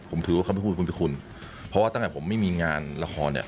ผมถือว่าเขาไม่พูดภูมิกับคุณเพราะว่าตั้งแต่ผมไม่มีงานละครเนี่ย